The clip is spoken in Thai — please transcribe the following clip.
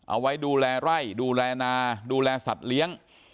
เอาไว้ดูแลไร่ดูแลนาดูแลสัตว์เลี้ยง